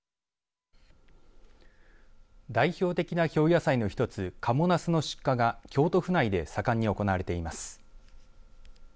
代表的な京野菜の一つ賀茂なすの出荷が京都府内で盛んに行われています。